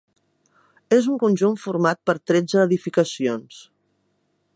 És un conjunt format per tretze edificacions.